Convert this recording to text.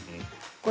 これ。